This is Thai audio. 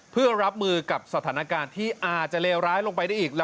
เพื่อรับมือกับสถานการณ์ที่อาจจะเลวร้ายลงไปได้อีก